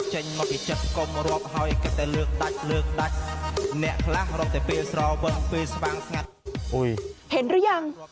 เห็นหรือยัง